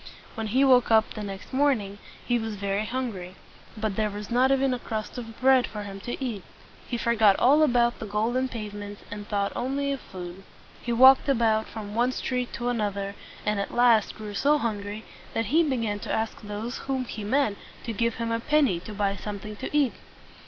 When he woke up the next morning, he was very hungry; but there was not even a crust of bread for him to eat. He forgot all about the golden pavements, and thought only of food. He walked about from one street to another, and at last grew so hungry that he began to ask those whom he met to give him a penny to buy something to eat.